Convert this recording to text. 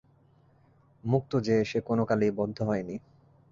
মুক্ত যে, সে কোনকালেই বদ্ধ হয়নি।